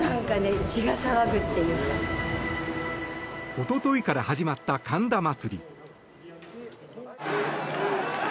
おとといから始まった神田祭。